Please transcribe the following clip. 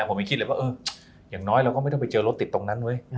ผมคิดเลยว่าอย่างน้อยเราไม่ต้องไปเจอรถติดตรงนั้น